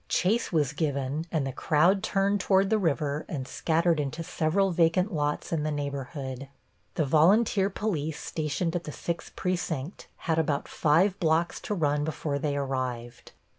Chase was given and the crowd turned toward the river and scattered into several vacant lots in the neighborhood. The volunteer police stationed at the Sixth Precinct had about five blocks to run before they arrived.